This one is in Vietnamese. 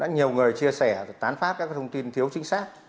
nhiều người chia sẻ tán phát các thông tin thiếu chính xác